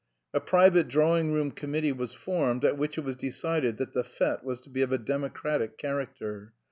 A private drawing room committee was formed, at which it was decided that the fête was to be of a democratic character.